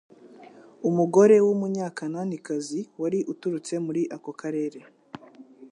Umugore w'umunyakananikazi wari uturutse muri ako karere,